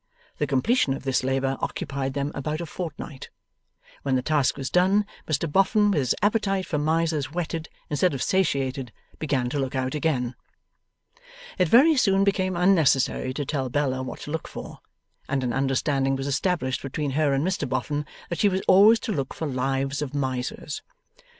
The completion of this labour occupied them about a fortnight. When the task was done, Mr Boffin, with his appetite for Misers whetted instead of satiated, began to look out again. It very soon became unnecessary to tell Bella what to look for, and an understanding was established between her and Mr Boffin that she was always to look for Lives of Misers.